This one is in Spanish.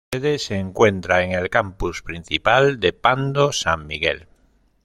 Su sede se encuentra en el campus principal de Pando, San Miguel.